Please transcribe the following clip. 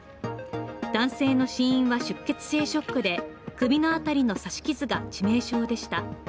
男性の死因は出血性ショックで首の辺りの刺し傷が致命傷でした。